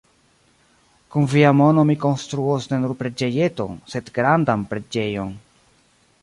Kun via mono mi konstruos ne nur preĝejeton, sed grandan preĝejon.